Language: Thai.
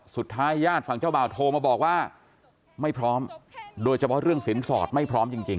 ญาติฝั่งเจ้าบ่าวโทรมาบอกว่าไม่พร้อมโดยเฉพาะเรื่องสินสอดไม่พร้อมจริง